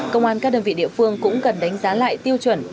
công an các đơn vị địa phương cũng cần đánh giá lại tiêu chuẩn